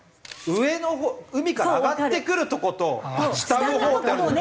上のほう海から上がってくるとこと下のほう。